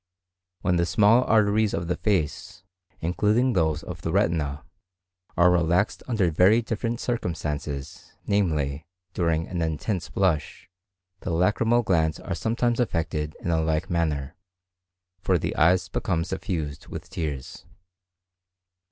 When the small arteries of the face, including those of the retina, are relaxed under very different circumstances, namely, during an intense blush, the lacrymal glands are sometimes affected in a like manner, for the eyes become suffused with tears.